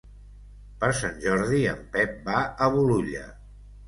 Per Sant Jordi en Pep va a Bolulla.